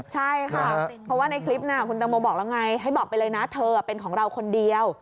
ใช่ค่ะเพราะว่าในคลิปคุณตังโมบอกแล้วไงให้บอกไปเลยนะเธอเป็นของเราคนเดียว